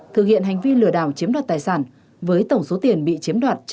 thực hiện hành vi lừa đảo chiếm đoạt tài sản với tổng số tiền bị chiếm đoạt trên tám tỷ đồng